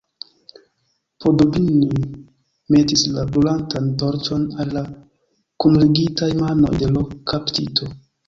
Poddubnij metis la brulantan torĉon al la kunligitaj manoj de l' kaptito.